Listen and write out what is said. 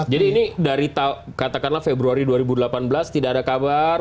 jadi ini dari katakanlah februari dua ribu delapan belas tidak ada kabar